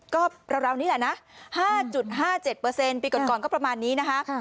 ก็ราวนี้แหละนะ๕๕๗ปีก่อนก็ประมาณนี้นะคะ